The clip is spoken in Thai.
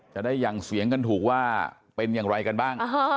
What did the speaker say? ได้อย่างเสียงกันถูกว่าเป็นอย่างไรกันบ้าง